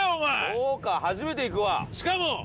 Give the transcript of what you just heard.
そうか初めて行くわしかも一緒に